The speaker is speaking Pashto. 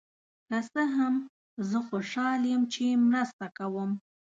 که څه هم، زه خوشحال یم چې مرسته کوم.